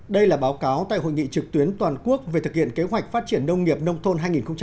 đây là báo cáo tại hội nghị trực tuyến toàn quốc về thực hiện kế hoạch phát triển nông nghiệp nông thôn hai nghìn hai mươi